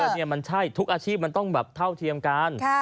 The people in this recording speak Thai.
นี่มันใช่ทุกอาชีพมันต้องแบบเท่าเทียมกัน